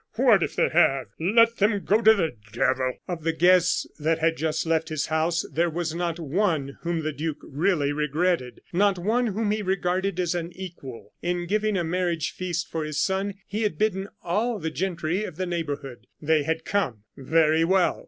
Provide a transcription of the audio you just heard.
what if they have? Let them go to the devil!" Of the guests that had just left his house there was not one whom the duke really regretted not one whom he regarded as an equal. In giving a marriage feast for his son, he had bidden all the gentry of the neighborhood. They had come very well!